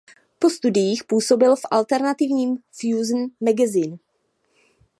Po studiích působil v alternativním Fusion Magazine.